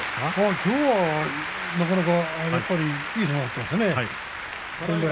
きょうはなかなかいい相撲だったですね。